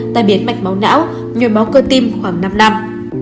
tai biến mạch máu não nhồi máu cơ tim khoảng năm năm